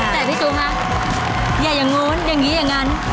แต่พี่ตุ๊กคะอย่าอย่างนู้นอย่างนี้อย่างนั้น